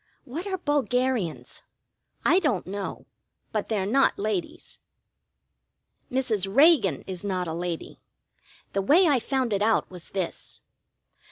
What are bulgarians? I don't know. But they're not ladies. Mrs. Reagan is not a lady. The way I found it out was this.